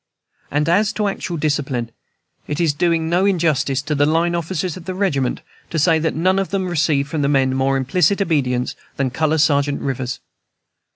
And as to actual discipline, it is doing no injustice to the line officers of the regiment to say that none of them received from the men more implicit obedience than Color Sergeant Rivers.